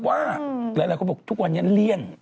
ว่าหลายคนบอกทุกวันนี้เลี่ยน